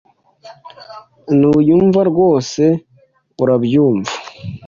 Ntunyumva rwose, urabyumva?